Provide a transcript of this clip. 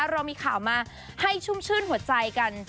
เรามีข่าวมาให้ชุ่มชื่นหัวใจกัน